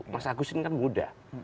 mas agusin kan muda